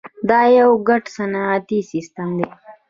دا یو ګډ صنعتي سیستم دی.